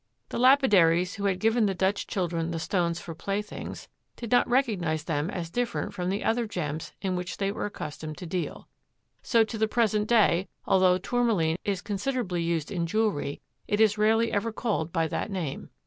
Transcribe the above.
The lapidaries who had given the Dutch children the stones for playthings did not recognize them as different from the other gems in which they were accustomed to deal. So to the present day, although Tourmaline is considerably used in jewelry, it is rarely ever called by that name.